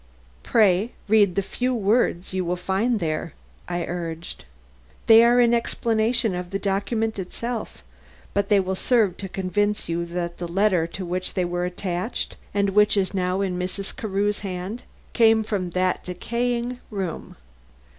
"Pray read the few words you will find there," I urged. "They are in explanation of the document itself, but they will serve to convince you that the letter to which they were attached, and which is now in Mrs. Carew's hands, came from that decaying room."